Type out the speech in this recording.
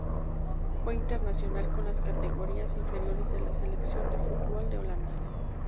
Fue internacional con las categorías inferiores de la selección de fútbol de Holanda.